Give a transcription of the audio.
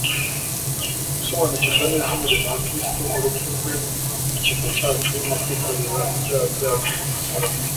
Gusobanukirwa neza umurimo wa Kristo (urupfu rwe mu cyimbo cyacu no kwikorera ibyaha byacu ku musaraba)